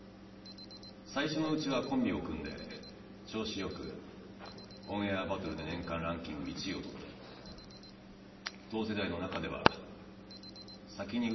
最初のうちはコンビを組んで調子よく「オンエアバトル」で年間ランキング１位を取ったり同世代の中では先に売れていくような存在でした。